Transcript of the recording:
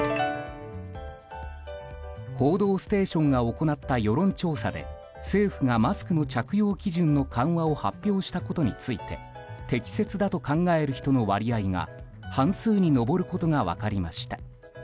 「報道ステーション」が行った世論調査で政府がマスクの着用基準の緩和を発表したことについて適切だと考える人の割合が半数に上ることが分かりました。